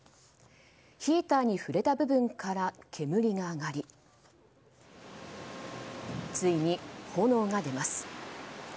ヒーターに触れた部分から煙が上がりついに炎が出ます。